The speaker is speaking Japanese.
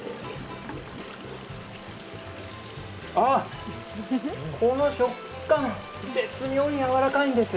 あ、この食感、絶妙にやわらかいんです。